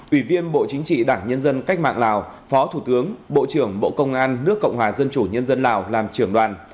ủy viên bộ chính trị đảng nhân dân cách mạng lào phó thủ tướng bộ trưởng bộ công an nước cộng hòa dân chủ nhân dân lào làm trưởng đoàn